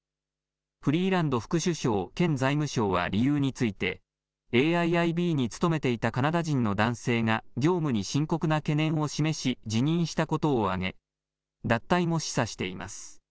フリーランド副首相兼財務相は理由についてＡＩＩＢに務めていたカナダ人の男性が業務に深刻な懸念を示し辞任したことを挙げ脱退も示唆しています。